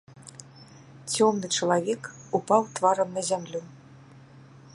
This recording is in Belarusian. Цёмны чалавек упаў тварам на зямлю.